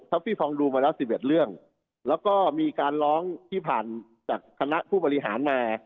ทรัพย์ฟรองดูมาแล้วสิบเอ็ดเรื่องแล้วก็มีการร้องที่ผ่านจากคณะผู้บริหารแน